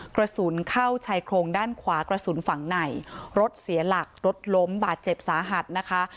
กระสุนเข้าชายโครงด้านขวากระสุนฝั่งในรถเสียหลักรถล้มบาดเจ็บสาหัสนะคะ